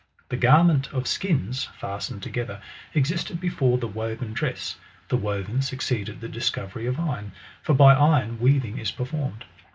The garment of skins, fastened together, existed before the woven dress ; the woven succeeded the discovery of iron ; for by iron weaving is performed.